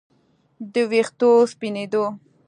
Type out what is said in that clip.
د ویښتو سپینېدو